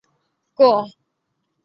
曾祖父朱楚望。